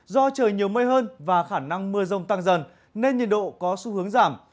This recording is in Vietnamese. do trời nhiều mây hơn và khả năng mưa rông tăng dần nên nhiệt độ có xu hướng giảm